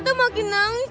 udah kok nangis